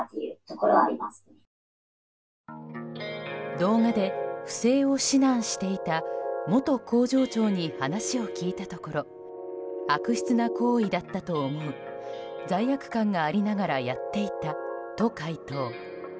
動画で不正を指南していた元工場長に話を聞いたところ悪質な行為だったと思う罪悪感がありながらやっていたと回答。